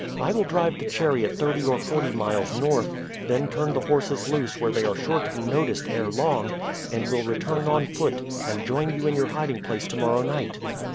I will drive the chariot thirty or forty miles north, then turn the horses loose where they are sure to be noticed ere long, and will return on foot and join you in your hiding place to morrow night."